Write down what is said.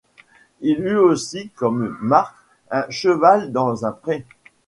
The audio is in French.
Il eut aussi comme marque un cheval dans un pré.